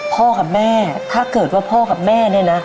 กับแม่ถ้าเกิดว่าพ่อกับแม่เนี่ยนะ